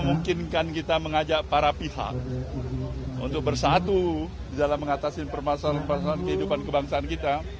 memungkinkan kita mengajak para pihak untuk bersatu dalam mengatasi permasalahan permasalahan kehidupan kebangsaan kita